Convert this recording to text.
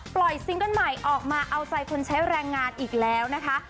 ซิงเกิ้ลใหม่ออกมาเอาใจคนใช้แรงงานอีกแล้วนะคะ